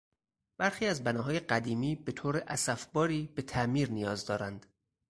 برخی از بناهای قدیمی به طور اسفباری به تعمیر نیاز دارند.